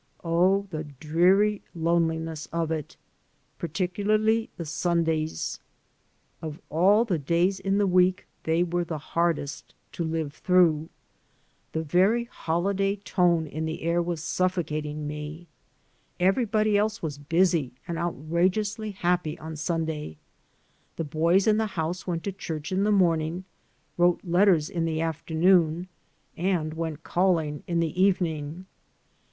Oh, the dreary loneliness of it! Particularly the Sundays. Of all the days in the week they were the hardest to live through. The very holiday tone in the air was suffocating me. Everybody else was busy and outrageously happy on Sunday. The boys in the house went to church in the morning, wrote letters in the afternoon, and went calling in the evening.